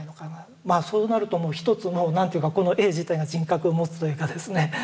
まあそうなると一つの何ていうかこの絵自体が人格を持つというかですね